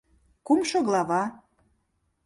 Кумшо глава